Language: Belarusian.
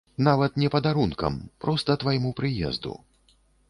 Нават не падарункам, проста твайму прыезду.